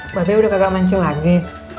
mbak bea udah kagak mancing lagi